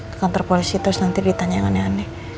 ke kantor polisi terus nanti ditanya aneh aneh